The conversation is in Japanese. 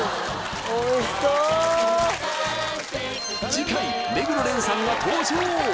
次回目黒蓮さんが登場！